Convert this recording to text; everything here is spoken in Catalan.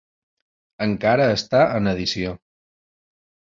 Encara està en edició.